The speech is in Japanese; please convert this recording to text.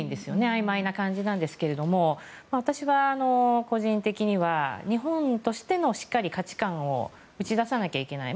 あいまいな感じなんですが私は、個人的には日本としての価値観をしっかり打ち出さなきゃいけない。